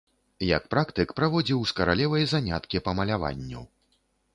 Як практык праводзіў з каралевай заняткі па маляванню.